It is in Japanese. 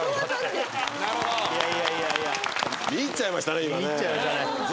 見入っちゃいましたね。